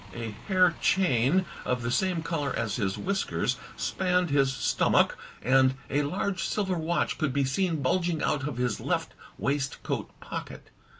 A hair chain, of the same colour as his whiskers, spanned his stomach, and a large silver watch could be seen bulging out of his left waistcoat pocket.